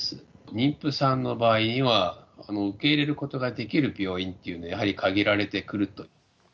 妊婦さんの場合は、受け入れることができる病院っていうのはやはり限られてくると。